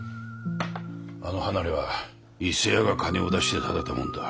あの離れは伊勢屋が金を出して建てたもんだ。